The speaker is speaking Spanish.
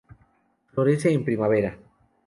Florece en primavera.